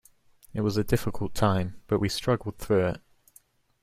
It was a difficult time, but we struggled through it.